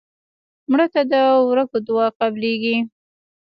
مړه ته د ورکو دعا قبلیږي